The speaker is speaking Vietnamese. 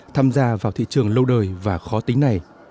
tham gia vào thị trường lâu đời và khó tính này